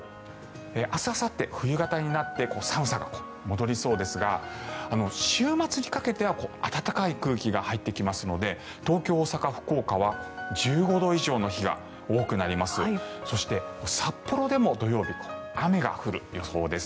明日あさって冬型になって寒さが戻りそうですが週末にかけては暖かい空気が入ってきますので東京、大阪、福岡は１５度以上の日が多くなります。